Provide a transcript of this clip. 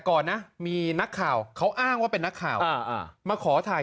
ก่อนนะมีนักข่าวเขาอ้างว่าเป็นนักข่าวมาขอถ่าย